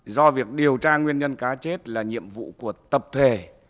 do việc điều tra nguyên nhân cá chết là nhiệm vụ của tập thể